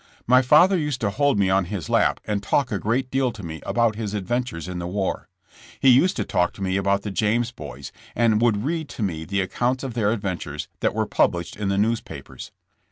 My father used to hold me on his lap and talk a great deal to me about his adventures in th e war. He used to talk to me about the James boys, and would read to me the accounts of their adventures that were published in the newspapers.